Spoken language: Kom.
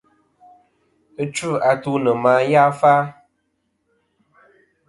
Ɨchu-atu nɨ̀ màyafa.